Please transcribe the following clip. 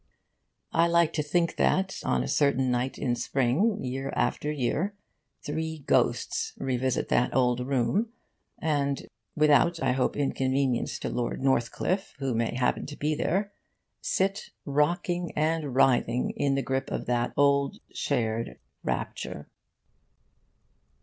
I like to think that on a certain night in spring, year after year, three ghosts revisit that old room and (without, I hope, inconvenience to Lord Northcliffe, who may happen to be there) sit rocking and writhing in the grip of that old shared rapture.